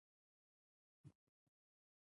د کونړ په مروره کې د څه شي نښې دي؟